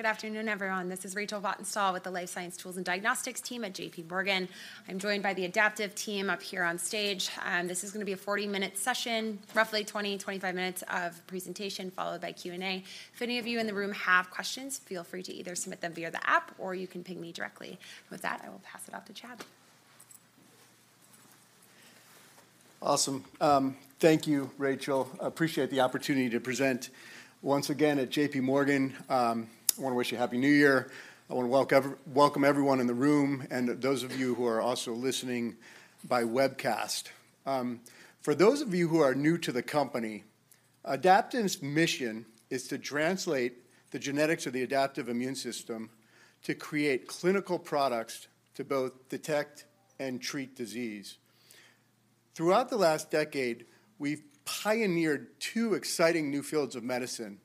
Good afternoon, everyone. This is Rachel Vatnsdal with the Life Science Tools and Diagnostics team at J.P. Morgan. I'm joined by the Adaptive team up here on stage, and this is gonna be a 40-minute session, roughly 20-25 minutes of presentation, followed by Q&A. If any of you in the room have questions, feel free to either submit them via the app, or you can ping me directly. With that, I will pass it off to Chad. Awesome. Thank you, Rachel. I appreciate the opportunity to present once again at J.P. Morgan. I want to wish you a Happy New Year. I want to welcome everyone in the room, and those of you who are also listening by webcast. For those of you who are new to the company, Adaptive's mission is to translate the genetics of the adaptive immune system to create clinical products to both detect and treat disease. Throughout the last decade, we've pioneered two exciting new fields of medicine.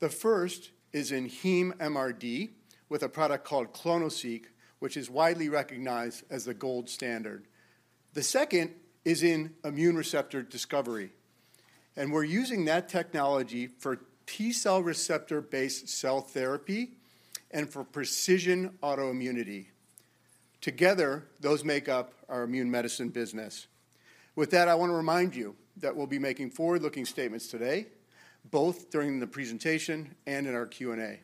The first is in heme MRD, with a product called clonoSEQ, which is widely recognized as the gold standard. The second is in immune receptor discovery, and we're using that technology for T-cell receptor-based cell therapy and for precision autoimmunity. Together, those make up our immune medicine business. With that, I want to remind you that we'll be making forward-looking statements today, both during the presentation and in our Q&A.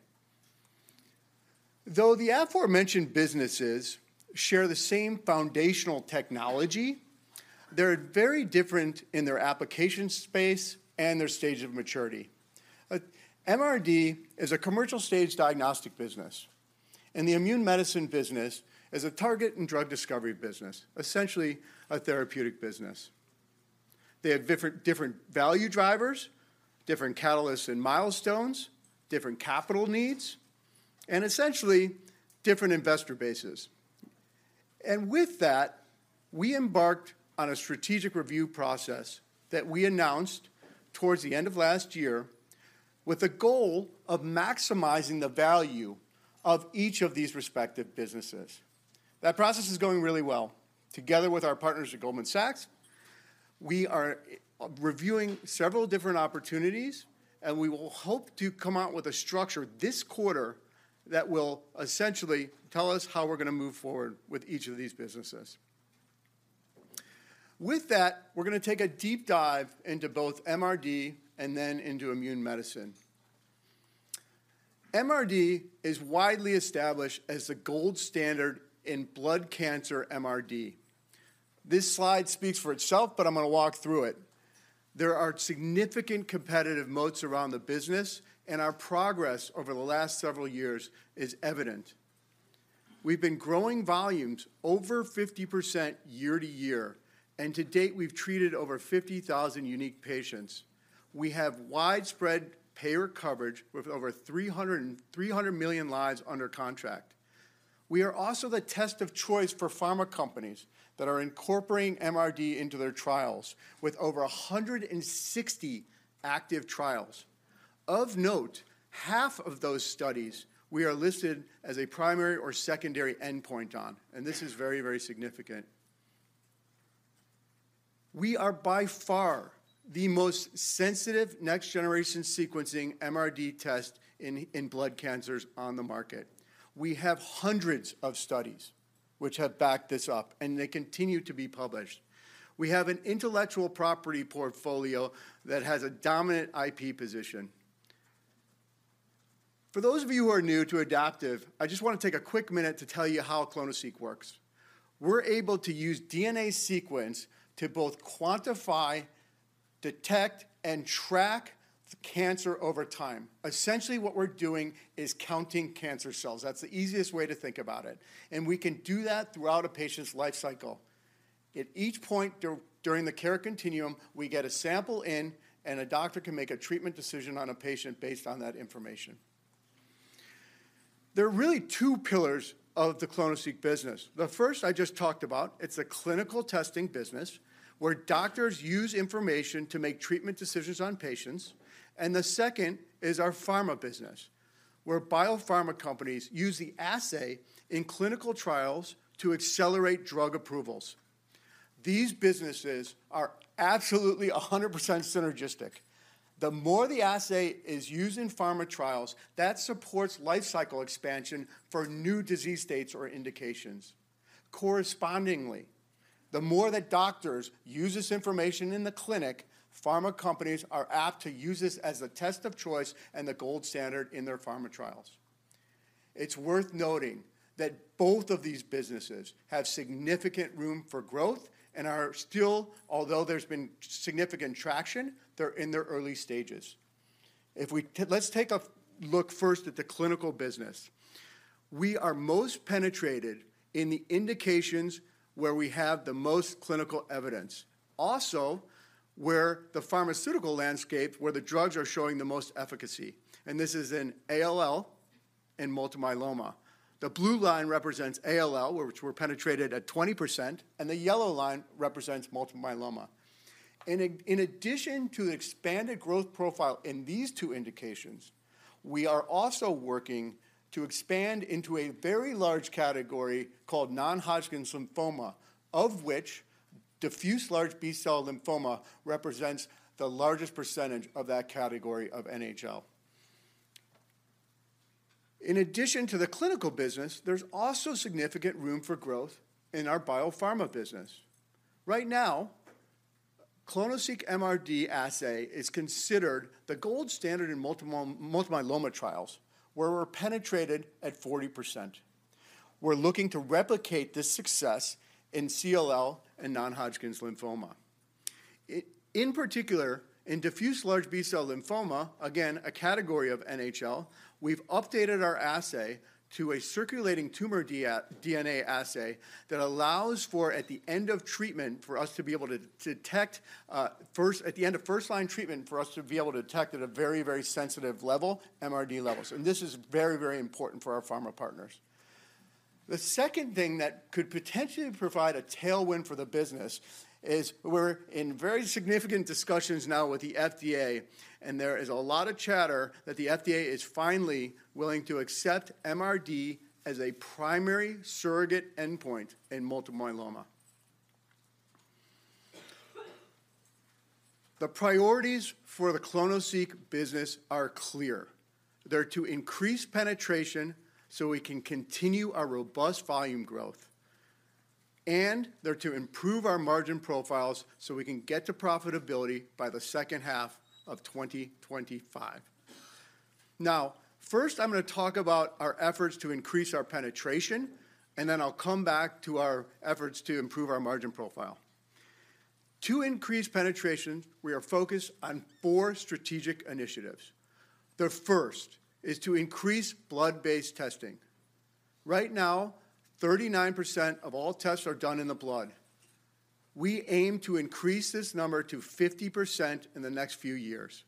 Though the aforementioned businesses share the same foundational technology, they're very different in their application space and their stage of maturity. MRD is a commercial-stage diagnostic business, and the immune medicine business is a target and drug discovery business, essentially a therapeutic business. They have different, different value drivers, different catalysts and milestones, different capital needs, and essentially, different investor bases. With that, we embarked on a strategic review process that we announced towards the end of last year, with the goal of maximizing the value of each of these respective businesses. That process is going really well. Together with our partners at Goldman Sachs, we are reviewing several different opportunities, and we will hope to come out with a structure this quarter that will essentially tell us how we're going to move forward with each of these businesses. With that, we're going to take a deep dive into both MRD and then into immune medicine. MRD is widely established as the gold standard in blood cancer MRD. This slide speaks for itself, but I'm going to walk through it. There are significant competitive moats around the business, and our progress over the last several years is evident. We've been growing volumes over 50% year-over-year, and to date, we've treated over 50,000 unique patients. We have widespread payer coverage with over 300 million lives under contract. We are also the test of choice for pharma companies that are incorporating MRD into their trials, with over 160 active trials. Of note, half of those studies, we are listed as a primary or secondary endpoint on, and this is very, very significant. We are by far the most sensitive next-generation sequencing MRD test in blood cancers on the market. We have hundreds of studies which have backed this up, and they continue to be published. We have an intellectual property portfolio that has a dominant IP position. For those of you who are new to Adaptive, I just want to take a quick minute to tell you how clonoSEQ works. We're able to use DNA sequence to both quantify, detect, and track the cancer over time. Essentially, what we're doing is counting cancer cells. That's the easiest way to think about it, and we can do that throughout a patient's life cycle. At each point during the care continuum, we get a sample in, and a doctor can make a treatment decision on a patient based on that information. There are really two pillars of the clonoSEQ business. The first I just talked about, it's a clinical testing business, where doctors use information to make treatment decisions on patients, and the second is our pharma business, where biopharma companies use the assay in clinical trials to accelerate drug approvals. These businesses are absolutely 100% synergistic. The more the assay is used in pharma trials, that supports life cycle expansion for new disease states or indications. Correspondingly, the more that doctors use this information in the clinic, pharma companies are apt to use this as a test of choice and the gold standard in their pharma trials. It's worth noting that both of these businesses have significant room for growth and are still, although there's been significant traction, they're in their early stages. Let's take a look first at the clinical business. We are most penetrated in the indications where we have the most clinical evidence, also, where the pharmaceutical landscape, where the drugs are showing the most efficacy, and this is in ALL and multiple myeloma. The blue line represents ALL, which we're penetrated at 20%, and the yellow line represents multiple myeloma. In addition to the expanded growth profile in these two indications, we are also working to expand into a very large category called non-Hodgkin lymphoma, of which-... Diffuse large B-cell lymphoma represents the largest percentage of that category of NHL. In addition to the clinical business, there's also significant room for growth in our biopharma business. Right now, clonoSEQ MRD assay is considered the gold standard in multiple myeloma trials, where we're penetrated at 40%. We're looking to replicate this success in CLL and non-Hodgkin's lymphoma. In particular, in diffuse large B-cell lymphoma, again, a category of NHL, we've updated our assay to a circulating tumor DNA assay that allows for, at the end of treatment, for us to be able to detect at the end of first-line treatment, for us to be able to detect at a very, very sensitive level, MRD levels, and this is very, very important for our pharma partners. The second thing that could potentially provide a tailwind for the business is we're in very significant discussions now with the FDA, and there is a lot of chatter that the FDA is finally willing to accept MRD as a primary surrogate endpoint in multiple myeloma. The priorities for the clonoSEQ business are clear. They're to increase penetration, so we can continue our robust volume growth, and they're to improve our margin profiles, so we can get to profitability by the second half of 2025. Now, first, I'm gonna talk about our efforts to increase our penetration, and then I'll come back to our efforts to improve our margin profile. To increase penetration, we are focused on four strategic initiatives. The first is to increase blood-based testing. Right now, 39% of all tests are done in the blood. We aim to increase this number to 50% in the next few years.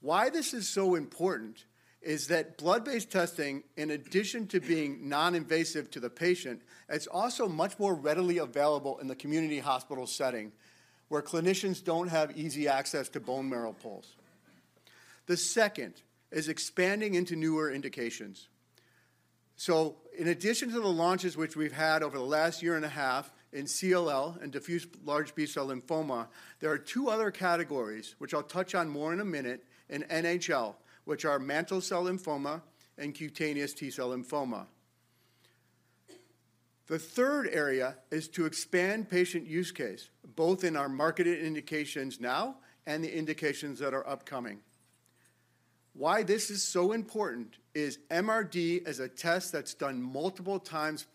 Why this is so important is that blood-based testing, in addition to being non-invasive to the patient, it's also much more readily available in the community hospital setting, where clinicians don't have easy access to bone marrow pulls. The second is expanding into newer indications. So in addition to the launches which we've had over the last year and a half in CLL and Diffuse Large B-cell Lymphoma, there are two other categories, which I'll touch on more in a minute, in NHL, which are Mantle Cell Lymphoma and Cutaneous T-cell Lymphoma. The third area is to expand patient use case, both in our marketed indications now and the indications that are upcoming. Why this is so important is MRD is a test that's done multiple times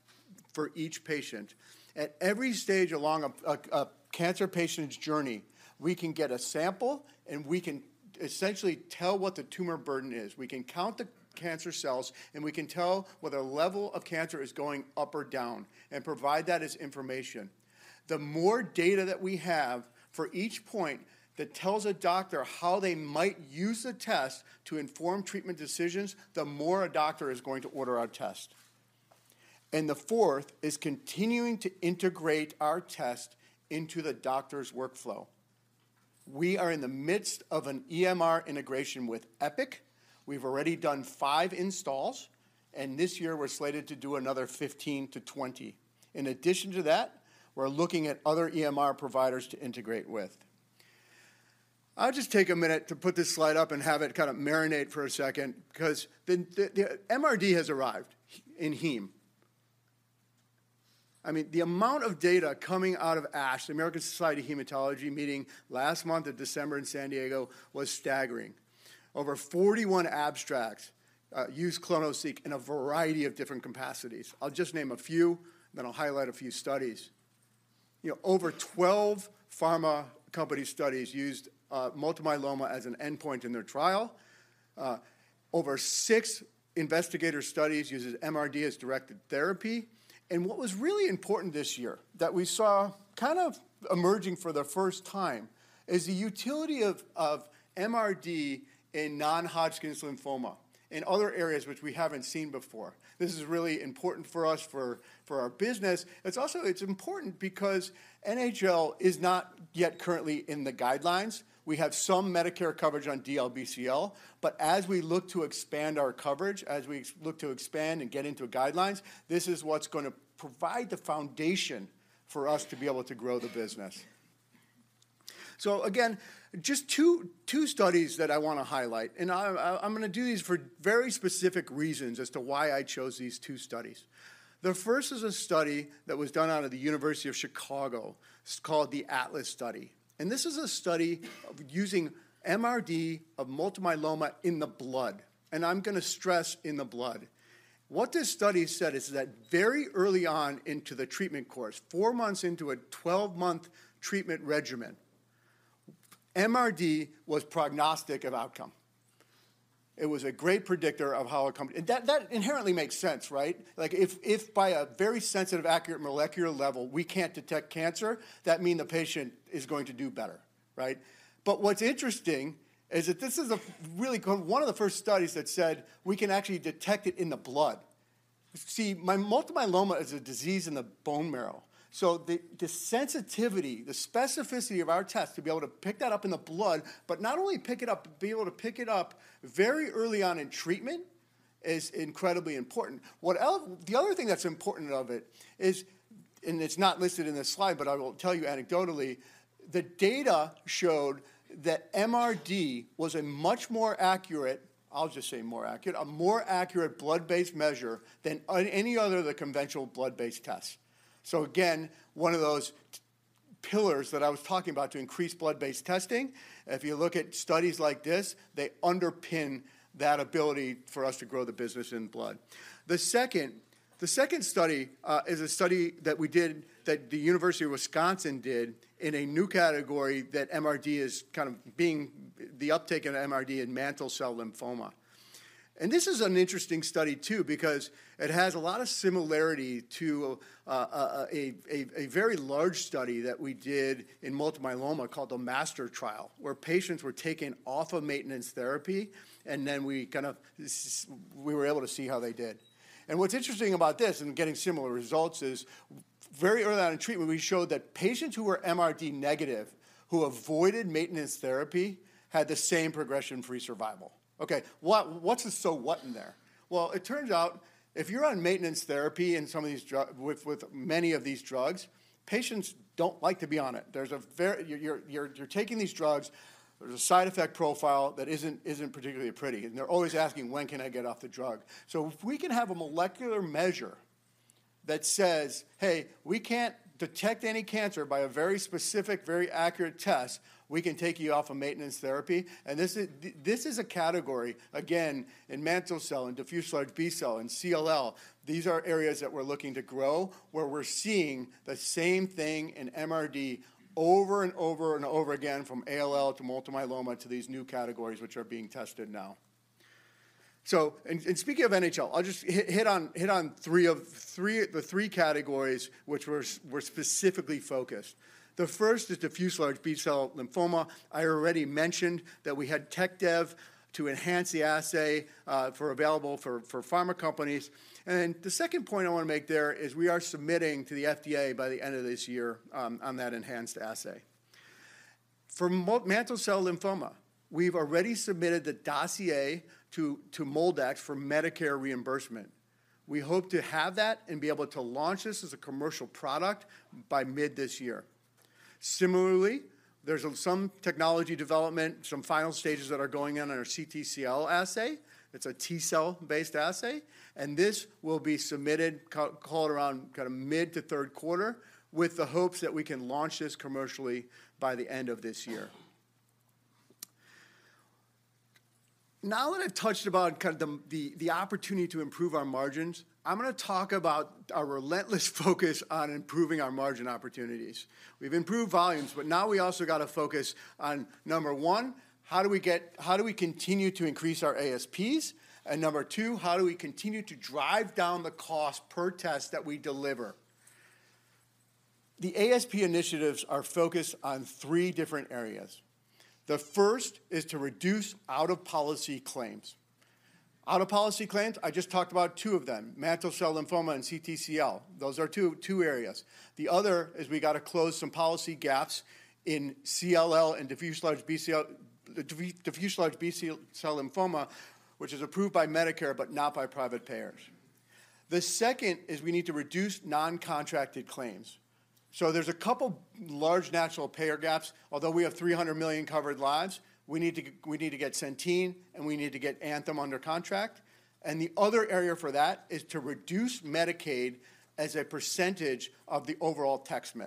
for each patient. At every stage along a cancer patient's journey, we can get a sample, and we can essentially tell what the tumor burden is. We can count the cancer cells, and we can tell whether the level of cancer is going up or down and provide that as information. The more data that we have for each point that tells a doctor how they might use a test to inform treatment decisions, the more a doctor is going to order our test. And the fourth is continuing to integrate our test into the doctor's workflow. We are in the midst of an EMR integration with Epic. We've already done 5 installs, and this year, we're slated to do another 15-20. In addition to that, we're looking at other EMR providers to integrate with. I'll just take a minute to put this slide up and have it kind of marinate for a second 'cause the MRD has arrived in heme. I mean, the amount of data coming out of ASH, the American Society of Hematology, meeting last month in December in San Diego was staggering. Over 41 abstracts used clonoSEQ in a variety of different capacities. I'll just name a few, then I'll highlight a few studies. You know, over 12 pharma company studies used multiple myeloma as an endpoint in their trial. Over six investigator studies uses MRD as directed therapy, and what was really important this year that we saw kind of emerging for the first time is the utility of MRD in non-Hodgkin's lymphoma, in other areas which we haven't seen before. This is really important for us, for our business. It's also important because NHL is not yet currently in the guidelines. We have some Medicare coverage on DLBCL, but as we look to expand our coverage, as we look to expand and get into guidelines, this is what's gonna provide the foundation for us to be able to grow the business. So again, just 2, 2 studies that I wanna highlight, and I'm gonna do these for very specific reasons as to why I chose these 2 studies. The first is a study that was done out of the University of Chicago. It's called the ATLAS Study, and this is a study of using MRD of multiple myeloma in the blood, and I'm gonna stress in the blood. What this study said is that, very early on into the treatment course, 4 months into a 12-month treatment regimen, MRD was prognostic of outcome. It was a great predictor of how it come. And that inherently makes sense, right? Like, if by a very sensitive, accurate molecular level, we can't detect cancer, that mean the patient is going to do better, right? But what's interesting is that this is a really good one of the first studies that said we can actually detect it in the blood. See, Multiple Myeloma is a disease in the bone marrow, so the sensitivity, the specificity of our test to be able to pick that up in the blood, but not only pick it up, but be able to pick it up very early on in treatment is incredibly important. What else, the other thing that's important about it is, and it's not listed in this slide, but I will tell you anecdotally, the data showed that MRD was a much more accurate, I'll just say more accurate, a more accurate blood-based measure than any other of the conventional blood-based tests. So again, one of those pillars that I was talking about to increase blood-based testing, if you look at studies like this, they underpin that ability for us to grow the business in blood. The second, the second study, is a study that we did, that the University of Wisconsin did, in a new category that MRD is kind of being the uptake in MRD in Mantle Cell Lymphoma. This is an interesting study, too, because it has a lot of similarity to a very large study that we did in multiple myeloma called the MASTER Trial, where patients were taken off of maintenance therapy, and then we kind of we were able to see how they did. What's interesting about this, and getting similar results, is very early on in treatment, we showed that patients who were MRD negative, who avoided maintenance therapy, had the same progression-free survival. Okay, what's the so what in there? Well, it turns out, if you're on maintenance therapy in some of these with many of these drugs, patients don't like to be on it. There's a – you're taking these drugs, there's a side effect profile that isn't particularly pretty, and they're always asking: "When can I get off the drug?" So if we can have a molecular measure that says, "Hey, we can't detect any cancer by a very specific, very accurate test, we can take you off of maintenance therapy." And this is – this is a category, again, in mantle cell, in diffuse large B-cell, in CLL. These are areas that we're looking to grow, where we're seeing the same thing in MRD over and over and over again, from ALL, to multiple myeloma, to these new categories which are being tested now. So, and speaking of NHL, I'll just hit on three of the three categories which we're specifically focused. The first is diffuse large B-cell lymphoma. I already mentioned that we had tech dev to enhance the assay for availability for pharma companies. The second point I want to make there is we are submitting to the FDA by the end of this year on that enhanced assay. For Mantle Cell Lymphoma, we've already submitted the dossier to MolDX for Medicare reimbursement. We hope to have that and be able to launch this as a commercial product by mid this year. Similarly, there's some technology development, some final stages that are going on in our CTCL assay. It's a T-cell-based assay, and this will be submitted call it around mid to third quarter, with the hopes that we can launch this commercially by the end of this year. Now that I've touched about kind of the opportunity to improve our margins, I'm going to talk about our relentless focus on improving our margin opportunities. We've improved volumes, but now we also got to focus on, number one, how do we get - how do we continue to increase our ASPs? And number two, how do we continue to drive down the cost per test that we deliver? The ASP initiatives are focused on three different areas. The first is to reduce out-of-policy claims. Out-of-policy claims, I just talked about two of them, Mantle Cell Lymphoma and CTCL. Those are two areas. The other is we got to close some policy gaps in CLL and Diffuse Large B-cell Lymphoma, which is approved by Medicare, but not by private payers. The second is we need to reduce non-contracted claims. So there's a couple large national payer gaps. Although we have 300 million covered lives, we need to, we need to get Centene, and we need to get Anthem under contract. And the other area for that is to reduce Medicaid as a percentage of the overall test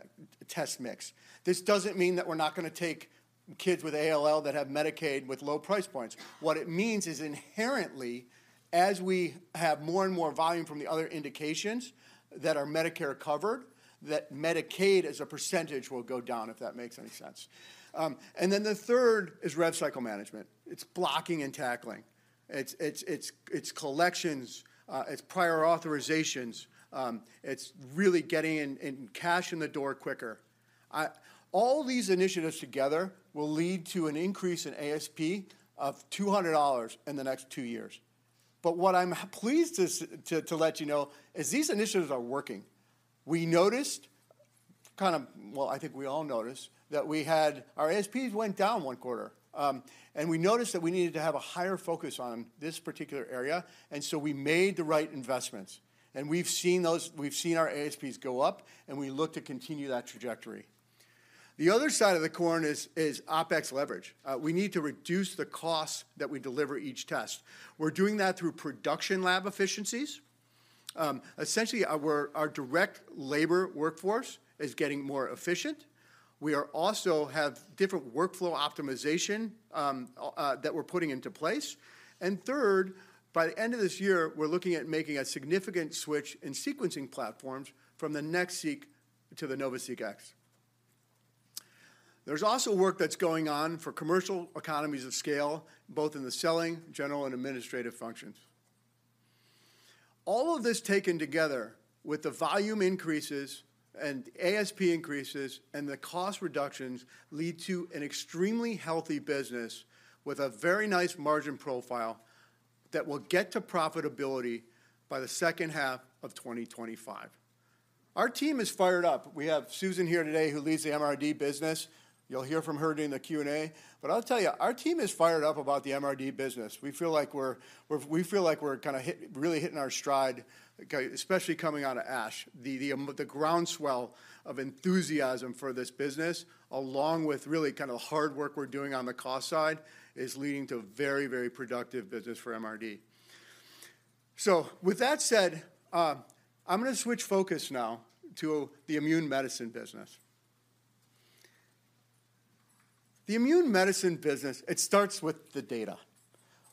mix. This doesn't mean that we're not going to take kids with ALL that have Medicaid with low price points. What it means is inherently, as we have more and more volume from the other indications that are Medicare covered, that Medicaid as a percentage will go down, if that makes any sense. And then the third is rev cycle management. It's blocking and tackling. It's collections, it's prior authorizations, it's really getting cash in the door quicker. All these initiatives together will lead to an increase in ASP of $200 in the next 2 years. But what I'm pleased to let you know is these initiatives are working. We noticed, kind of... well, I think we all noticed, that our ASPs went down one quarter, and we noticed that we needed to have a higher focus on this particular area, and so we made the right investments. We've seen our ASPs go up, and we look to continue that trajectory. The other side of the coin is OpEx leverage. We need to reduce the costs that we deliver each test. We're doing that through production lab efficiencies. Essentially, our direct labor workforce is getting more efficient. We also have different workflow optimization that we're putting into place. Third, by the end of this year, we're looking at making a significant switch in sequencing platforms from the NextSeq to the NovaSeq X. There's also work that's going on for commercial economies of scale, both in the selling, general, and administrative functions. All of this taken together with the volume increases, and ASP increases, and the cost reductions, lead to an extremely healthy business with a very nice margin profile that will get to profitability by the second half of 2025. Our team is fired up. We have Susan here today, who leads the MRD business. You'll hear from her during the Q&A. But I'll tell you, our team is fired up about the MRD business. We feel like we're, we're—we feel like we're kinda hit, really hitting our stride, especially coming out of ASH. The groundswell of enthusiasm for this business, along with really kind of the hard work we're doing on the cost side, is leading to very, very productive business for MRD. So with that said, I'm gonna switch focus now to the immune medicine business. The immune medicine business, it starts with the data.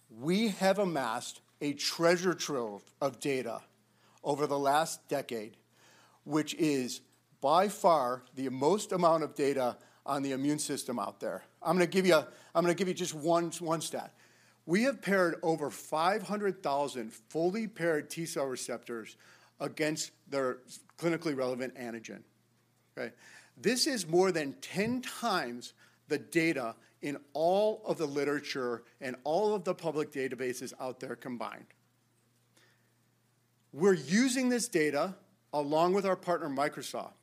We have amassed a treasure trove of data over the last decade, which is, by far, the most amount of data on the immune system out there. I'm gonna give you just one stat. We have paired over 500,000 fully paired T-cell receptors against their clinically relevant antigen. Okay? This is more than 10 times the data in all of the literature and all of the public databases out there combined. We're using this data, along with our partner, Microsoft,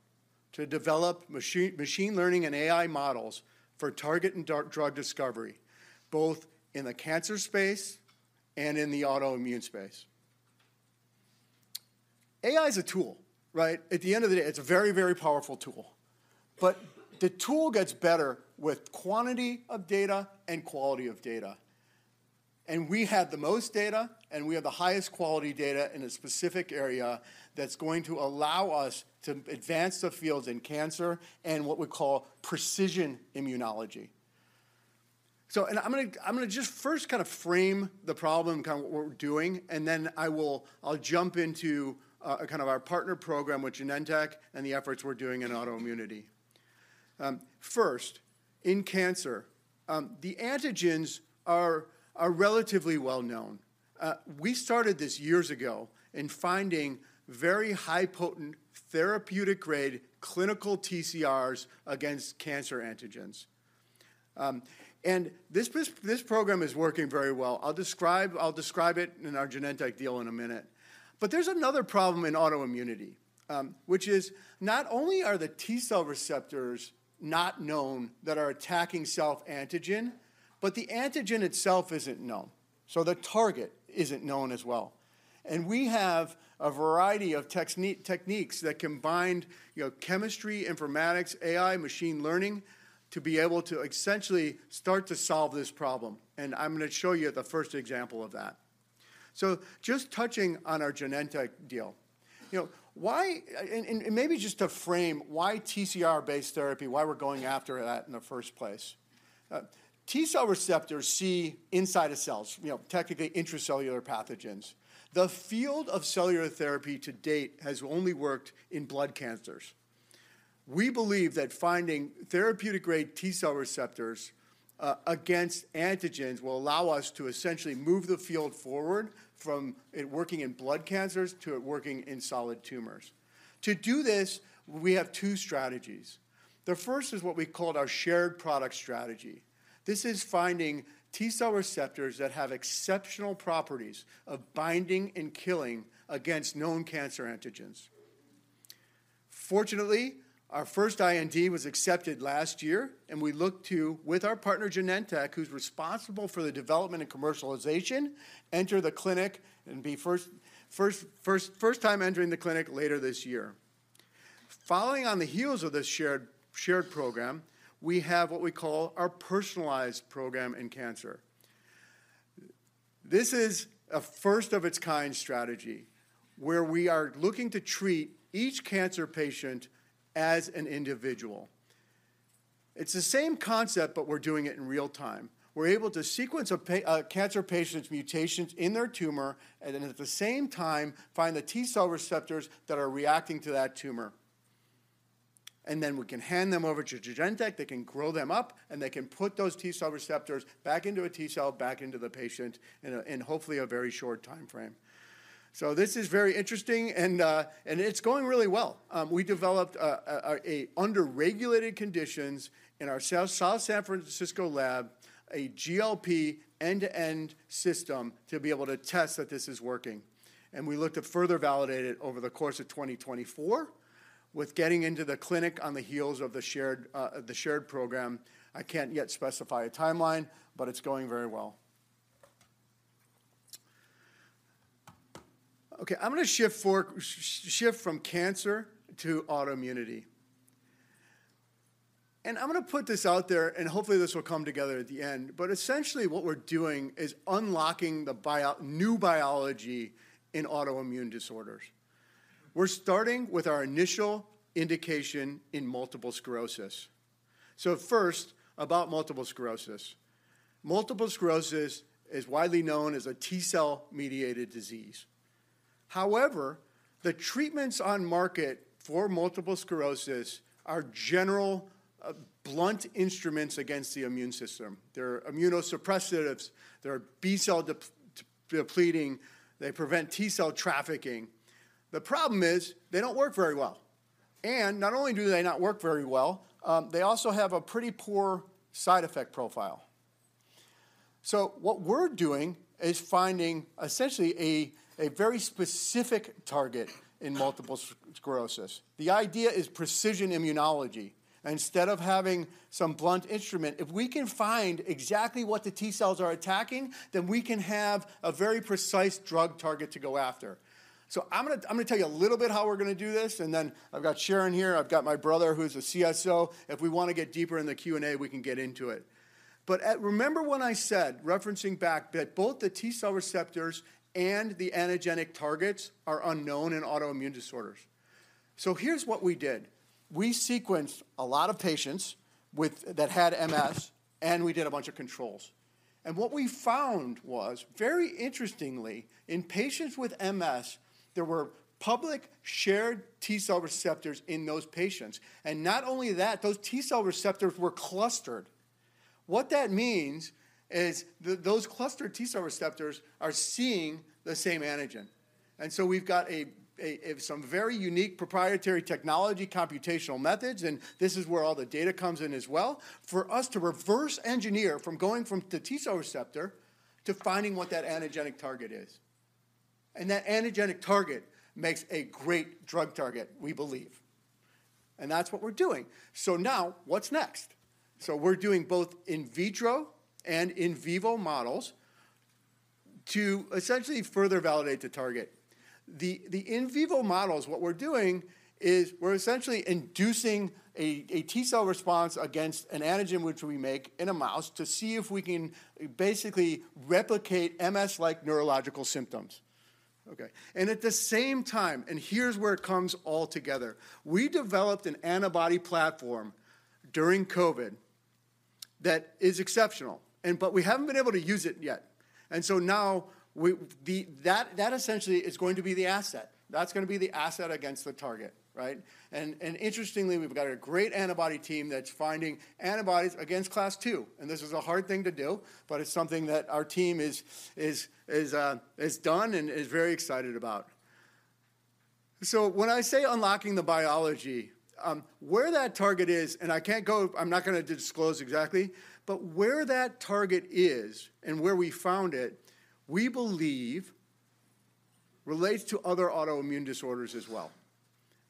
to develop machine learning and AI models for target and drug discovery, both in the cancer space and in the autoimmune space. AI is a tool, right? At the end of the day, it's a very, very powerful tool. But the tool gets better with quantity of data and quality of data, and we have the most data, and we have the highest quality data in a specific area, that's going to allow us to advance the fields in cancer and what we call precision immunology. I'm gonna just first kind of frame the problem, kind of what we're doing, and then I'll jump into kind of our partner program with Genentech and the efforts we're doing in autoimmunity. First, in cancer, the antigens are relatively well known. We started this years ago in finding very high-potent, therapeutic-grade, clinical TCRs against cancer antigens. And this program is working very well. I'll describe, I'll describe it in our Genentech deal in a minute. But there's another problem in autoimmunity, which is not only are the T-cell receptors not known that are attacking self-antigen, but the antigen itself isn't known, so the target isn't known as well. And we have a variety of techniques that combined, you know, chemistry, informatics, AI, machine learning, to be able to essentially start to solve this problem, and I'm gonna show you the first example of that. So just touching on our Genentech deal, you know, why and, and maybe just to frame, why TCR-based therapy, why we're going after that in the first place? T-cell receptors see inside of cells, you know, technically intracellular pathogens. The field of cellular therapy to date has only worked in blood cancers. We believe that finding therapeutic-grade T-cell receptors against antigens will allow us to essentially move the field forward from it working in blood cancers to it working in solid tumors. To do this, we have two strategies. The first is what we called our shared product strategy. This is finding T-cell receptors that have exceptional properties of binding and killing against known cancer antigens. Fortunately, our first IND was accepted last year, and we look to, with our partner, Genentech, who's responsible for the development and commercialization, enter the clinic and be first, first, first, first time entering the clinic later this year. Following on the heels of this shared, shared program, we have what we call our personalized program in cancer. This is a first-of-its-kind strategy, where we are looking to treat each cancer patient as an individual. It's the same concept, but we're doing it in real time. We're able to sequence a cancer patient's mutations in their tumor, and then at the same time, find the T-cell receptors that are reacting to that tumor. And then we can hand them over to Genentech, they can grow them up, and they can put those T-cell receptors back into a T cell, back into the patient, in hopefully a very short timeframe. So this is very interesting, and it's going really well. We developed unregulated conditions in our South San Francisco lab, a GLP end-to-end system to be able to test that this is working. We look to further validate it over the course of 2024, with getting into the clinic on the heels of the shared program. I can't yet specify a timeline, but it's going very well. Okay, I'm gonna shift from cancer to autoimmunity. And I'm gonna put this out there, and hopefully this will come together at the end, but essentially what we're doing is unlocking the new biology in autoimmune disorders. We're starting with our initial indication in multiple sclerosis. So first, about multiple sclerosis. Multiple sclerosis is widely known as a T-cell-mediated disease. However, the treatments on market for multiple sclerosis are general, blunt instruments against the immune system. They're immunosuppressives, they're B-cell depleting, they prevent T-cell trafficking. The problem is, they don't work very well. Not only do they not work very well, they also have a pretty poor side effect profile. So what we're doing is finding essentially a very specific target in multiple sclerosis. The idea is precision immunology. Instead of having some blunt instrument, if we can find exactly what the T cells are attacking, then we can have a very precise drug target to go after. So I'm gonna, I'm gonna tell you a little bit how we're gonna do this, and then I've got Sharon here, I've got my brother, who's a CSO. If we wanna get deeper in the Q&A, we can get into it. But remember when I said, referencing back, that both the T-cell receptors and the antigenic targets are unknown in autoimmune disorders? So here's what we did. We sequenced a lot of patients that had MS, and we did a bunch of controls. What we found was, very interestingly, in patients with MS, there were public shared T-cell receptors in those patients. Not only that, those T-cell receptors were clustered. What that means is those clustered T-cell receptors are seeing the same antigen. So we've got some very unique proprietary technology, computational methods, and this is where all the data comes in as well, for us to reverse engineer from going from the T-cell receptor to finding what that antigenic target is. That antigenic target makes a great drug target, we believe. That's what we're doing. Now, what's next? We're doing both in vitro and in vivo models to essentially further validate the target. The in vivo models, what we're doing is we're essentially inducing a T cell response against an antigen which we make in a mouse, to see if we can basically replicate MS-like neurological symptoms. Okay. And at the same time, and here's where it comes all together, we developed an antibody platform during COVID that is exceptional, and but we haven't been able to use it yet. And so now, we-- that, that essentially is going to be the asset. That's gonna be the asset against the target, right? And, and interestingly, we've got a great antibody team that's finding antibodies against Class II, and this is a hard thing to do, but it's something that our team is done and is very excited about. So when I say unlocking the biology, where that target is, and I can't go—I'm not gonna disclose exactly, but where that target is and where we found it, we believe relates to other autoimmune disorders as well.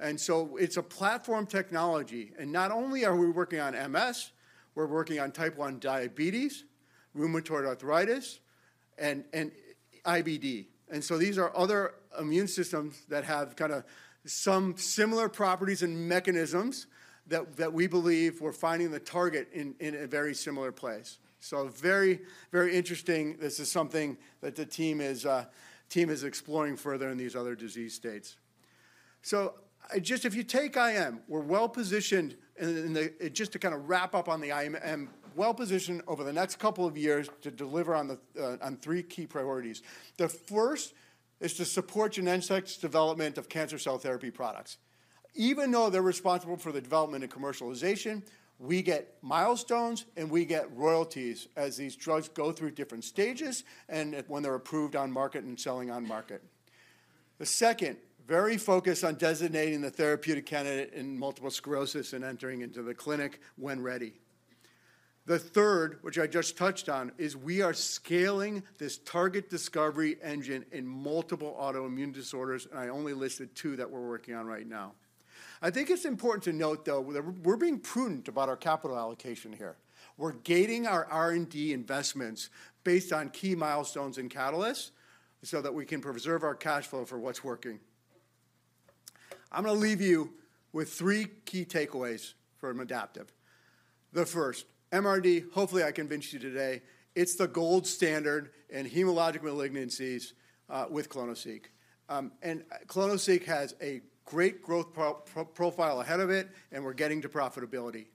And so it's a platform technology, and not only are we working on MS, we're working on type 1 diabetes, rheumatoid arthritis, and IBD. And so these are other immune systems that have kinda some similar properties and mechanisms that we believe we're finding the target in, in a very similar place. So very, very interesting. This is something that the team is exploring further in these other disease states. So, just if you take IM, we're well positioned, and then just to kind of wrap up on the IM, well-positioned over the next couple of years to deliver on the, on three key priorities. The first is to support Genentech's development of cancer cell therapy products. Even though they're responsible for the development and commercialization, we get milestones, and we get royalties as these drugs go through different stages, and when they're approved on market and selling on market. The second, very focused on designating the therapeutic candidate in multiple sclerosis and entering into the clinic when ready. The third, which I just touched on, is we are scaling this target discovery engine in multiple autoimmune disorders, and I only listed two that we're working on right now. I think it's important to note, though, that we're being prudent about our capital allocation here. We're gating our R&D investments based on key milestones and catalysts so that we can preserve our cash flow for what's working. I'm gonna leave you with three key takeaways from Adaptive. The first, MRD, hopefully, I convinced you today, it's the gold standard in hematologic malignancies with clonoSEQ. And clonoSEQ has a great growth profile ahead of it, and we're getting to profitability.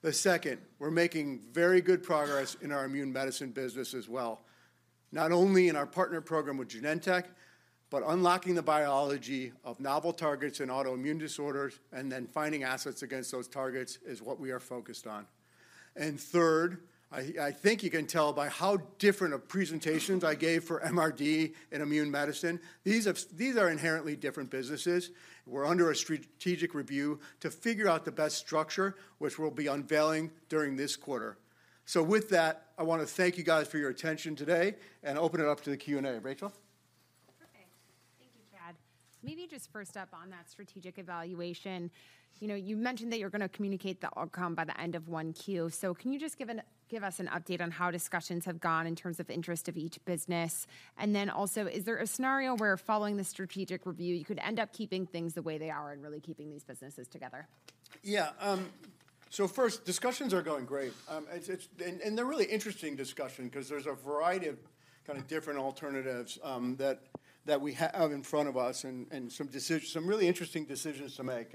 The second, we're making very good progress in our immune medicine business as well, not only in our partner program with Genentech, but unlocking the biology of novel targets in autoimmune disorders and then finding assets against those targets is what we are focused on. And third, I think you can tell by how different of presentations I gave for MRD and immune medicine, these are inherently different businesses. We're under a strategic review to figure out the best structure, which we'll be unveiling during this quarter. So with that, I wanna thank you guys for your attention today and open it up to the Q&A. Rachel? Perfect. Thank you, Chad. Maybe just first up on that strategic evaluation, you know, you mentioned that you're gonna communicate the outcome by the end of 1Q, so can you just give us an update on how discussions have gone in terms of interest of each business? And then also, is there a scenario where, following the strategic review, you could end up keeping things the way they are and really keeping these businesses together? Yeah, so first, discussions are going great. They're really interesting discussions because there's a variety of kind of different alternatives that we have in front of us and some decisions, some really interesting decisions to make.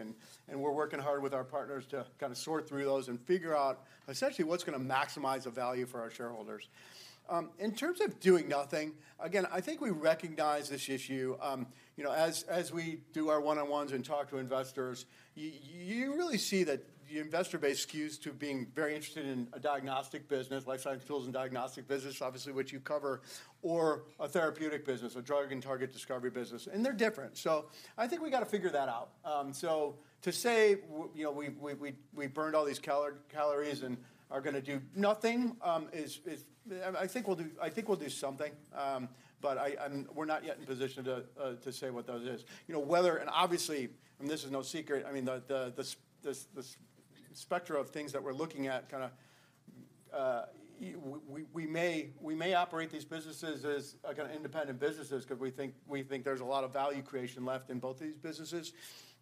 We're working hard with our partners to kind of sort through those and figure out essentially what's gonna maximize the value for our shareholders. In terms of doing nothing, again, I think we recognize this issue. You know, as we do our one-on-ones and talk to investors, you really see that the investor base skews to being very interested in a diagnostic business, life science tools and diagnostic business, obviously, which you cover, or a therapeutic business, a drug and target discovery business, and they're different. So I think we got to figure that out. So to say, you know, we, we've burned all these calories and are gonna do nothing, is... I think we'll do something, but we're not yet in a position to say what that is. You know, whether, and obviously, and this is no secret, I mean, this, the spectrum of things that we're looking at kinda... we may operate these businesses as kind of independent businesses, 'cause we think there's a lot of value creation left in both of these businesses.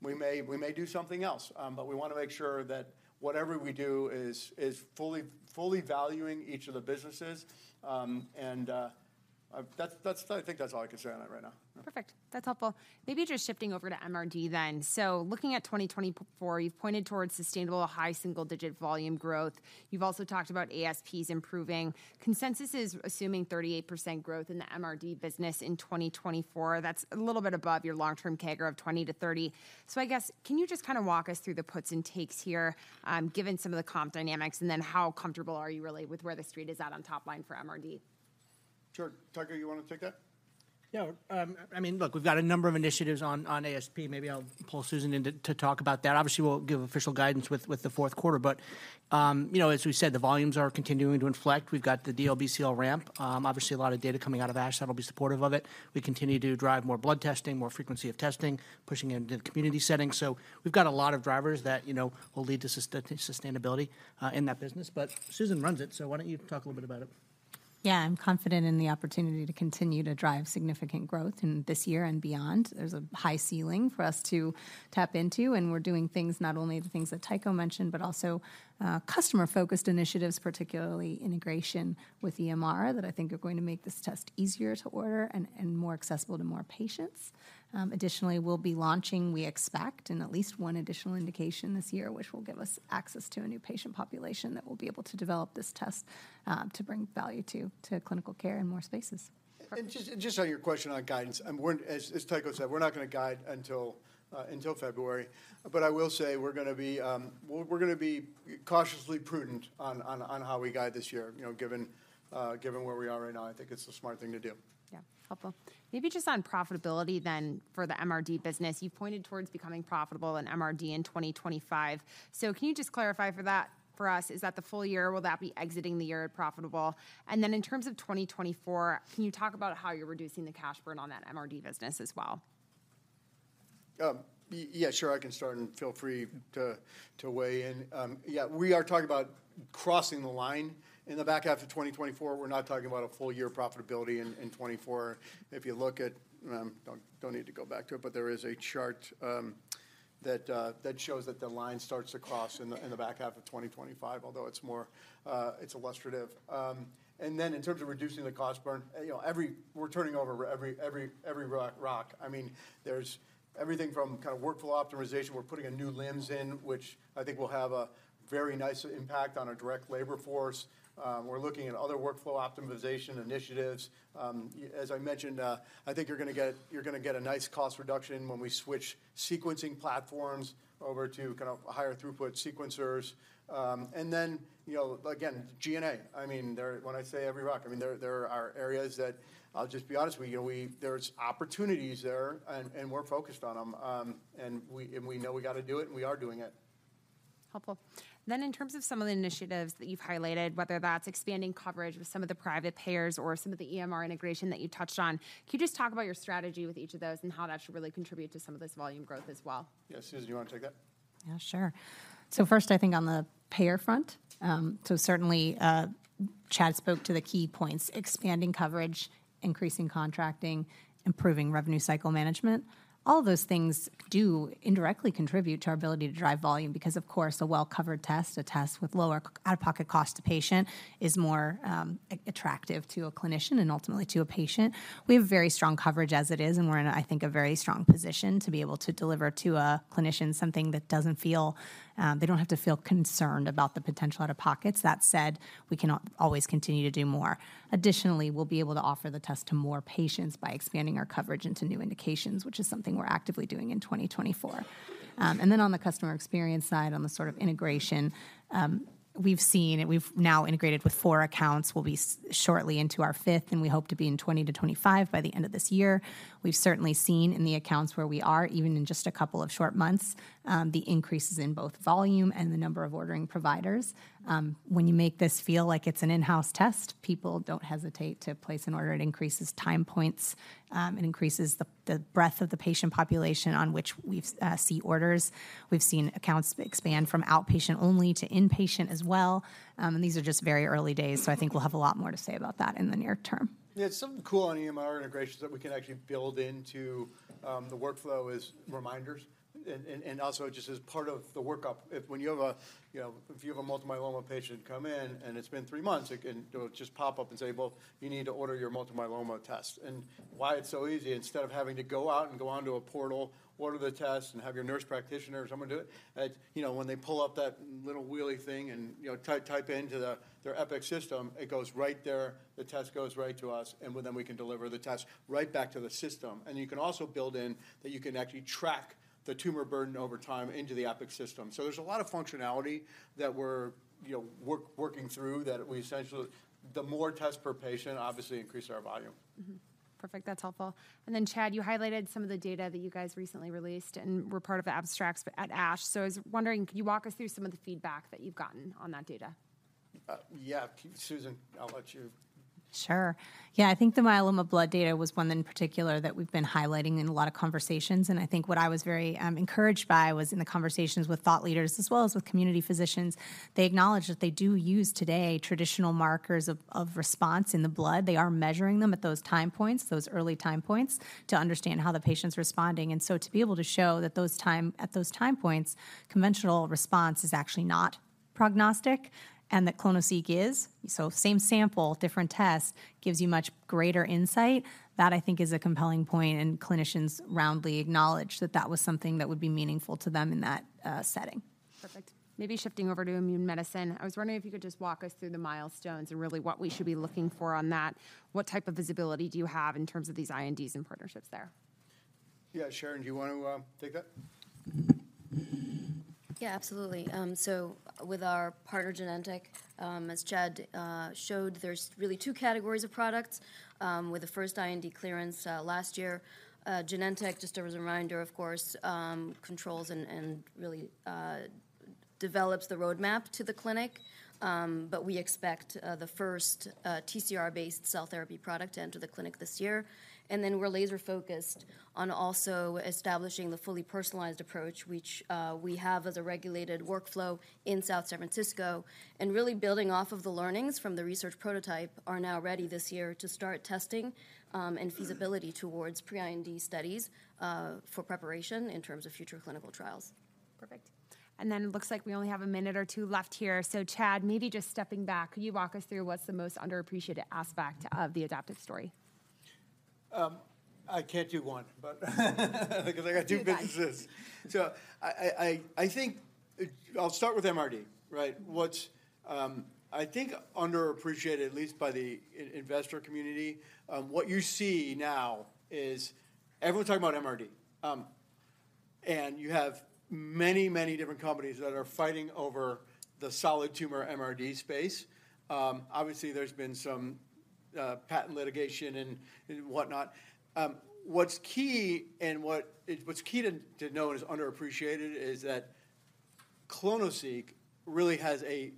We may do something else, but we wanna make sure that whatever we do is fully valuing each of the businesses. And, I've... That's, I think that's all I can say on that right now. Perfect. That's helpful. Maybe just shifting over to MRD then. So looking at 2024, you've pointed towards sustainable high single-digit volume growth. You've also talked about ASPs improving. Consensus is assuming 38% growth in the MRD business in 2024. That's a little bit above your long-term CAGR of 20-30. So I guess, can you just kind of walk us through the puts and takes here, given some of the comp dynamics, and then how comfortable are you really with where the street is at on top line for MRD? Sure. Tycho, you wanna take that? Yeah, I mean, look, we've got a number of initiatives on ASP. Maybe I'll pull Susan in to talk about that. Obviously, we'll give official guidance with the fourth quarter, but, you know, as we said, the volumes are continuing to inflect. We've got the DLBCL ramp. Obviously, a lot of data coming out of ASH that'll be supportive of it. We continue to drive more blood testing, more frequency of testing, pushing into the community setting. So we've got a lot of drivers that, you know, will lead to sustainability in that business. But Susan runs it, so why don't you talk a little bit about it? Yeah, I'm confident in the opportunity to continue to drive significant growth in this year and beyond. There's a high ceiling for us to tap into, and we're doing things, not only the things that Tycho mentioned, but also, customer-focused initiatives, particularly integration with EMR, that I think are going to make this test easier to order and, and more accessible to more patients. Additionally, we'll be launching, we expect, in at least one additional indication this year, which will give us access to a new patient population that will be able to develop this test, to bring value to, to clinical care in more spaces. And just on your question on guidance, as Tycho said, we're not gonna guide until February, but I will say we're gonna be cautiously prudent on how we guide this year, you know, given where we are right now, I think it's the smart thing to do. Yeah, helpful. Maybe just on profitability then, for the MRD business, you pointed towards becoming profitable in MRD in 2025. So can you just clarify that for us? Is that the full year? Will that be exiting the year profitable? And then in terms of 2024, can you talk about how you're reducing the cash burn on that MRD business as well? Yeah, sure, I can start, and feel free to, to weigh in. Yeah, we are talking about crossing the line in the back half of 2024. We're not talking about a full year profitability in, in 2024. If you look at... Don't, don't need to go back to it, but there is a chart, that, that shows that the line starts to cross in the, in the back half of 2025, although it's more, it's illustrative. And then in terms of reducing the cost burn, you know, every- we're turning over every, every, every ro- rock. I mean, there's everything from kind of workflow optimization. We're putting a new LIMS in, which I think will have a very nice impact on our direct labor force. We're looking at other workflow optimization initiatives. As I mentioned, I think you're gonna get, you're gonna get a nice cost reduction when we switch sequencing platforms over to kind of higher throughput sequencers. And then, you know, again, G&A. I mean, when I say every rock, I mean, there are areas that, I'll just be honest with you, you know, there's opportunities there, and we're focused on them. And we know we gotta do it, and we are doing it. Helpful. Then in terms of some of the initiatives that you've highlighted, whether that's expanding coverage with some of the private payers or some of the EMR integration that you touched on, can you just talk about your strategy with each of those and how that should really contribute to some of this volume growth as well? Yeah, Susan, do you wanna take that? Yeah, sure. So first, I think on the payer front, so certainly, Chad spoke to the key points: expanding coverage, increasing contracting, improving revenue cycle management. All those things do indirectly contribute to our ability to drive volume, because, of course, a well-covered test, a test with lower out-of-pocket cost to patient, is more, attractive to a clinician and ultimately to a patient. We have very strong coverage as it is, and we're in, I think, a very strong position to be able to deliver to a clinician something that doesn't feel, they don't have to feel concerned about the potential out-of-pockets. That said, we can always continue to do more. Additionally, we'll be able to offer the test to more patients by expanding our coverage into new indications, which is something we're actively doing in 2024. And then on the customer experience side, on the sort of integration, we've seen, and we've now integrated with four accounts, we'll be shortly into our fifth, and we hope to be in 20-25 by the end of this year. We've certainly seen in the accounts where we are, even in just a couple of short months, the increases in both volume and the number of ordering providers. When you make this feel like it's an in-house test, people don't hesitate to place an order. It increases time points, it increases the breadth of the patient population on which we've see orders. We've seen accounts expand from outpatient only to inpatient as well. And these are just very early days, so I think we'll have a lot more to say about that in the near term. Yeah, something cool on EMR integrations that we can actually build into the workflow is reminders. And also just as part of the workup, if when you have a you know, if you have a multiple myeloma patient come in, and it's been three months, it'll just pop up and say: "Well, you need to order your multiple myeloma test." And why it's so easy, instead of having to go out and go onto a portal, order the test, and have your nurse practitioner or someone do it, it's you know, when they pull up that little wheelie thing and you know, type into the their Epic system, it goes right there, the test goes right to us, and well, then we can deliver the test right back to the system. And you can also build in that you can actually track the tumor burden over time into the Epic system. So there's a lot of functionality that we're, you know, working through, that we essentially... The more tests per patient obviously increase our volume. Mm-hmm. Perfect, that's helpful. And then, Chad, you highlighted some of the data that you guys recently released and were part of the abstracts at ASH. So I was wondering, can you walk us through some of the feedback that you've gotten on that data? Yeah. Susan, I'll let you- ... Sure. Yeah, I think the myeloma blood data was one in particular that we've been highlighting in a lot of conversations, and I think what I was very encouraged by was in the conversations with thought leaders as well as with community physicians, they acknowledge that they do use today traditional markers of response in the blood. They are measuring them at those time points, those early time points, to understand how the patient's responding. And so to be able to show that at those time points, conventional response is actually not prognostic and that clonoSEQ is, so same sample, different test, gives you much greater insight, that I think is a compelling point, and clinicians roundly acknowledge that that was something that would be meaningful to them in that setting. Perfect. Maybe shifting over to immune medicine, I was wondering if you could just walk us through the milestones and really what we should be looking for on that. What type of visibility do you have in terms of these INDs and partnerships there? Yeah, Sharon, do you want to take that? Yeah, absolutely. So with our partner, Genentech, as Chad showed, there's really two categories of products. With the first IND clearance last year, Genentech, just as a reminder, of course, controls and really develops the roadmap to the clinic. But we expect the first TCR-based cell therapy product to enter the clinic this year. And then we're laser focused on also establishing the fully personalized approach, which we have as a regulated workflow in South San Francisco, and really building off of the learnings from the research prototype, are now ready this year to start testing and feasibility towards pre-IND studies for preparation in terms of future clinical trials. Perfect. And then it looks like we only have a minute or two left here. So Chad, maybe just stepping back, could you walk us through what's the most underappreciated aspect of the Adaptive story? I can't do one, but because I got two businesses. You got 2. So I think I'll start with MRD, right? What's I think underappreciated, at least by the investor community, what you see now is everyone's talking about MRD. And you have many, many different companies that are fighting over the solid tumor MRD space. Obviously, there's been some patent litigation and whatnot. What's key to know and is underappreciated is that clonoSEQ really has a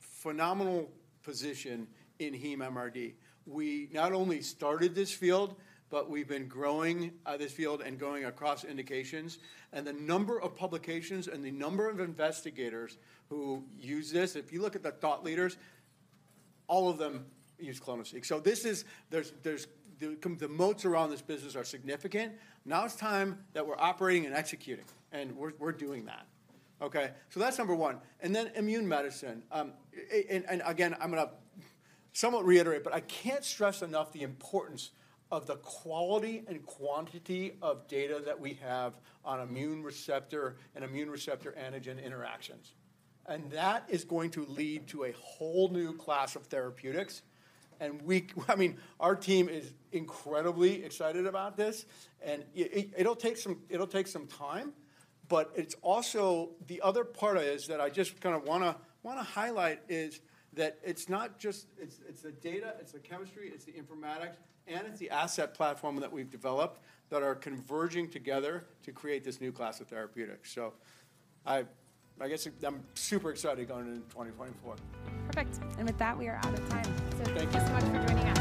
phenomenal position in heme MRD. We not only started this field, but we've been growing this field and going across indications, and the number of publications and the number of investigators who use this, if you look at the thought leaders, all of them use clonoSEQ. So this is, there's the moats around this business are significant. Now it's time that we're operating and executing, and we're doing that. Okay, so that's number one. And then immune medicine. And again, I'm gonna somewhat reiterate, but I can't stress enough the importance of the quality and quantity of data that we have on immune receptor and immune receptor antigen interactions. And that is going to lead to a whole new class of therapeutics, and we, I mean, our team is incredibly excited about this, and it, it'll take some time, but it's also... The other part is that I just kinda wanna highlight is that it's not just, it's the data, it's the chemistry, it's the informatics, and it's the asset platform that we've developed that are converging together to create this new class of therapeutics. So I guess I'm super excited going into 2024. Perfect. With that, we are out of time. Thank you. Thank you so much for joining us.